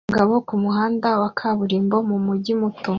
Umugabo kumuhanda wa kaburimbo mumujyi muto